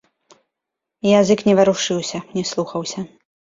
Язык не варушыўся, не слухаўся.